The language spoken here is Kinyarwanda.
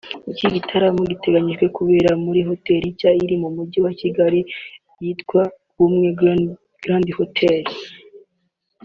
Iki gitaramo giteganyijwe kubera muri Hotel nshya iri mu mujyi wa Kigali yitwa Ubumwe Grande Hotel